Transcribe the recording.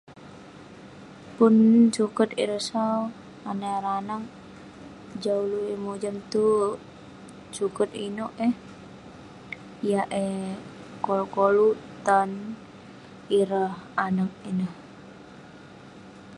Pun suket ireh sau anah ireh anag, jah ulouk yeng mojam tuwerk..suket inouk eh ..yah eh koluk koluk tan ireh anag ineh..